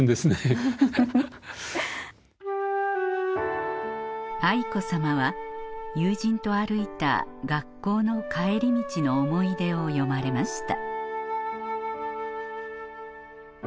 フフフ。は友人と歩いた学校の帰り道の思い出を詠まれました